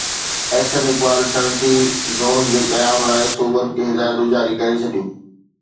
احسن اقبال صنعتي زونز جي قيام لاءِ صوبن کي هدايتون جاري ڪري ڇڏيون